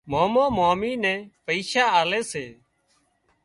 مامو مامي نين پئيشا آلي سي